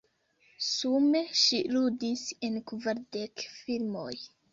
Sume ŝi ludis en kvardek filmoj.